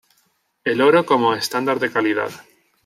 El oro como estándar de calidad.